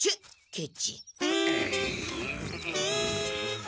ケチ！